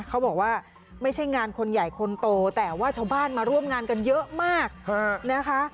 เขาบอกว่าไม่ใช่งานคนใหญ่คนโตแต่ว่าชาวบ้านมาร่วมงานกันเยอะมากนะคะ